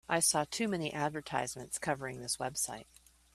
I saw too many advertisements covering this website.